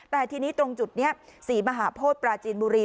แต่ทีนี้ตรงจุดนี้ศรีมหาโพธิปราจีนบุรี